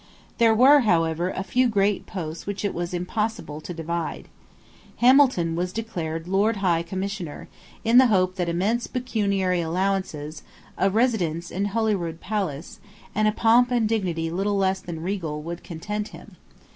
There were however a few great posts which it was impossible to divide. Hamilton was declared Lord High Commissioner, in the hope that immense pecuniary allowances, a residence in Holyrood Palace, and a pomp and dignity little less than regal, would content him.